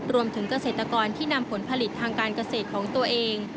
รวมถึงเกษตรกรที่นำผลผลิตทางการเกษตรของตัวเอง